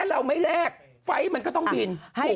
เราไม่แลกไฟล์มันก็ต้องบิน